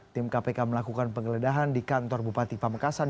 tim kpk melakukan penggeledahan di kantor bupati pamekasan